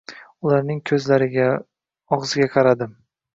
Ularning ko`zlariga, og`ziga qaradim